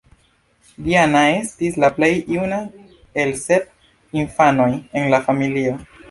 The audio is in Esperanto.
Diana estis la plej juna el sep infanoj en la familio.